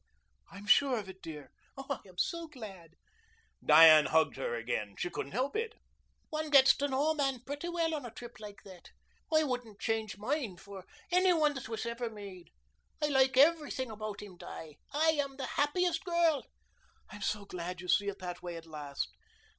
"I'm sure of it, dear. Oh, I am so glad." Diane hugged her again. She couldn't help it. "One gets to know a man pretty well on a trip like that. I wouldn't change mine for any one that was ever made. I like everything about him, Di. I am the happiest girl." "I'm so glad you see it that way at last."